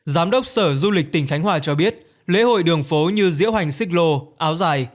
giám đốc sở du lịch tỉnh khánh hòa cho biết lễ hội đường phố như diễu hành xích lô áo dài